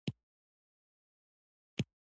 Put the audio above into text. ټپه د پښتو د احساساتو ژبه ده.